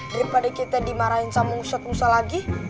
daripada kita dimarahin sama ustadz nusa lagi